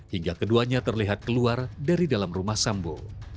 hingga keduanya terlihat keluar dari dalam rumah sambo